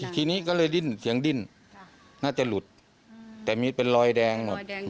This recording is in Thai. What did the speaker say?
ทีนี้ก็เลยดิ้นเสียงดิ้นน่าจะหลุดแต่มีเป็นรอยแดงหมด